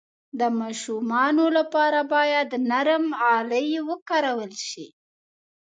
د ماشومانو لپاره باید نرم غالۍ وکارول شي.